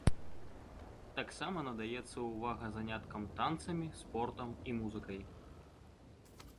Таксама надаецца ўвага заняткам танцамі, спортам і музыкай.